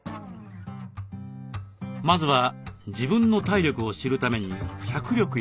まずは自分の体力を知るために脚力や握力を測定。